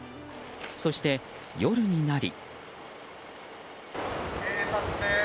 そして、夜になり。